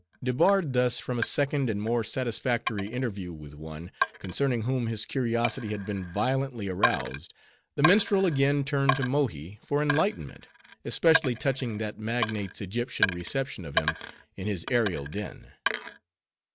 Debarred thus from a second and more satisfactory interview with one, concerning whom his curiosity had been violently aroused, the minstrel again turned to Mohi for enlightenment; especially touching that magnate's Egyptian reception of him in his aerial den.